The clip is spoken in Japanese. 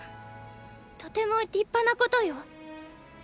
とても立派なことよ。